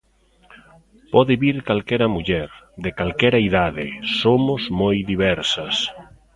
Pode vir calquera muller, de calquera idade, somos moi diversas.